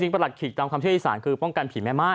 ประหลัดขีกตามความเชื่ออีสานคือป้องกันผีแม่ม่าย